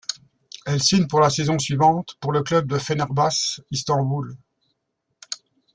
Elle signe pour la saison suivante pour le club de Fenerbahçe İstanbul.